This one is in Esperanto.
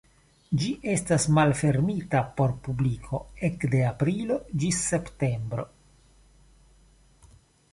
Ĝi estas malfermita por publiko ekde aprilo ĝis septembro.